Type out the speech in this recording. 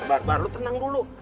bar bar lo tenang dulu